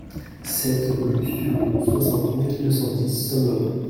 sept rue Suleau, soixante mille deux cent dix Sommereux